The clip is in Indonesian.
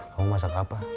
kamu masak apa